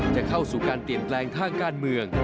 จะเข้าสู่การเปลี่ยนแปลงทางการเมือง